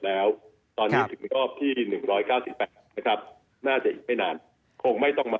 และเคยมาปรบูลกันตอน